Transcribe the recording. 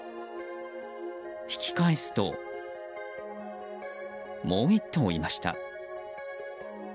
引き返すと、もう１頭いました。